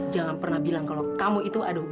jangan pernah bilang kalau kamu gak mau kehilangan ibu